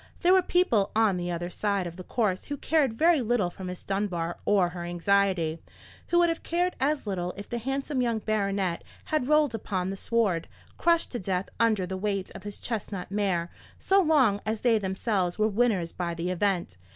There were people on the other side of the course who cared very little for Miss Dunbar or her anxiety; who would have cared as little if the handsome young baronet had rolled upon the sward, crushed to death under the weight of his chestnut mare, so long as they themselves were winners by the event.